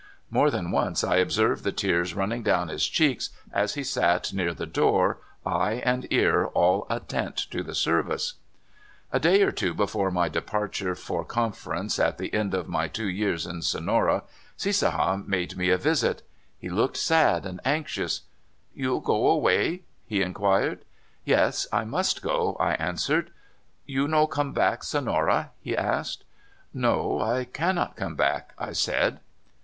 More than once I observed the tears running down his cheeks as he sat near the door, eye and ear all attent to the service. A da}^ or two before my departure for Confer ence, at the end of m}^ two years in Sonora, Cis saha made me a visit. He looked sad and anxious. "You go way?" he inquired. "Yes; I must go," I answered. " You no come back Sonora? " he asked. " No; I cannot come back," I said.